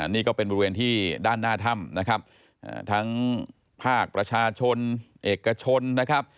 นี่ก็เป็นบริเวณที่ด้านหน้าถ้ำนะครับทั้งภาคประชาชนเอกชนนะครับ